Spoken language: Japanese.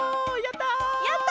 やった！